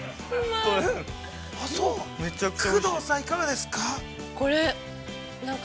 工藤さん、いかがですか。